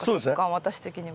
私的には。